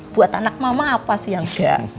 buat anak mama apa sih yang